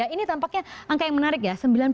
ini tampaknya angka yang menarik ya